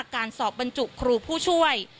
การสอบบรรจุครูผู้ช่วย